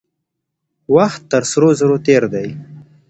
وخت تر سرو زرو تېر دی.